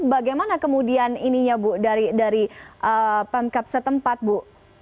bagaimana kemudian ininya bu dari pemkap setempat bu